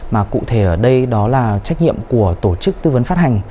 mà cụ thể ở đây đó là trách nhiệm của tổ chức tư vấn phát hành